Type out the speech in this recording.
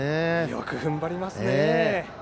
よく踏ん張りますね。